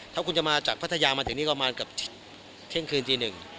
ถ้าคุณจะมาจากพัทยามาถึงนี่ประมาณเกือบเที่ยงคืนตีหนึ่ง